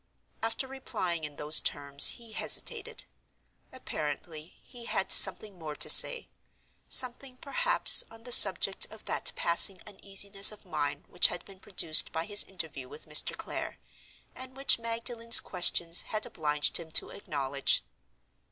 After replying in those terms, he hesitated. Apparently, he had something more to say—something, perhaps, on the subject of that passing uneasiness of mind which had been produced by his interview with Mr. Clare, and which Magdalen's questions had obliged him to acknowledge.